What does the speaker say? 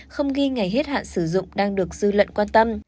không ghi ngày hết hạn sử dụng đang được dư luận quan tâm